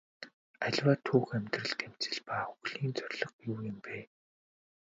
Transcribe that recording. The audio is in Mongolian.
Аливаа түүх амьдрал тэмцэл ба үхлийн зорилго юу юм бэ?